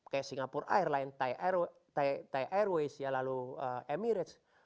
kayak singapore airlines thai airways ya lalu emirates